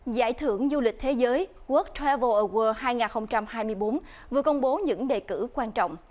giải thưởng du lịch thế giới world travel award hai nghìn hai mươi bốn vừa công bố những đề cử quan trọng